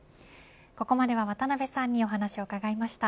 ここまでは渡辺さんにお話を伺いました。